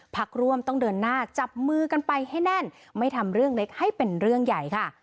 พักร่วมต้องเดินหน้าจับมือกันไปให้แน่นไม่ทำเรื่องเล็กให้เป็นเรื่องใหญ่ค่ะ